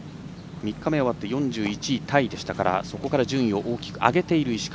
３日目終わって４１位タイでしたからそこから順位を大きく上げている石川。